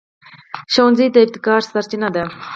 ښوونځی د ابتکار سرچینه ده